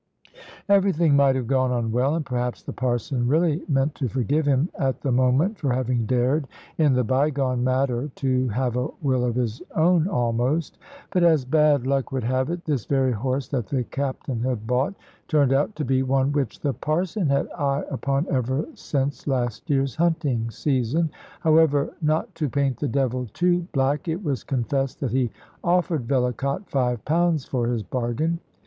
Everything might have gone on well, and perhaps the Parson really meant to forgive him at the moment for having dared, in the bygone matter, to have a will of his own almost. But, as bad luck would have it, this very horse that the Captain had bought turned out to be one which the Parson had eye upon ever since last year's hunting season. However, not to paint the devil too black, it was confessed that he offered Vellacott five pounds for his bargain.